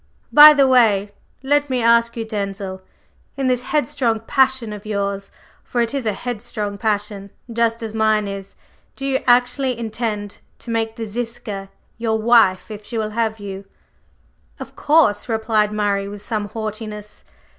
By the way, let me ask you, Denzil, in this headstrong passion of yours, for it is a headstrong passion, just as mine is, do you actually intend to make the Ziska your wife if she will have you?" "Of course," replied Murray, with some haughtiness.